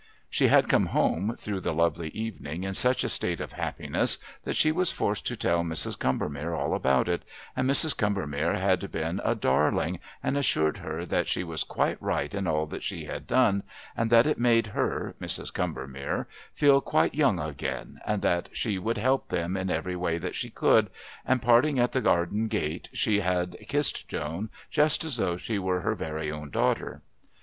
She had come home, through the lovely evening, in such a state of happiness that she was forced to tell Mrs. Combermere all about it, and Mrs. Combermere had been a darling and assured her that she was quite right in all that she had done, and that it made her, Mrs. Combermere, feel quite young again, and that she would help them in every way that she could, and parting at the Arden Gate, she had kissed Joan just as though she were her very own daughter.